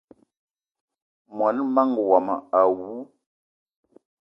Mon manga womo awou!